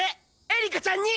エリカちゃんに！